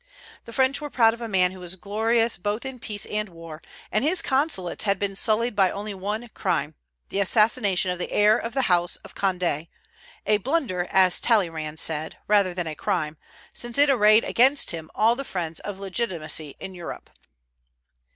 The French were proud of a man who was glorious both in peace and war; and his consulate had been sullied by only one crime, the assassination of the heir of the house of Condé; a blunder, as Talleyrand said, rather than a crime, since it arrayed against him all the friends of Legitimacy in Europe.